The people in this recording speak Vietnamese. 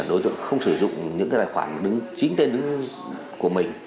đối tượng không sử dụng những cái tài khoản chính tên của mình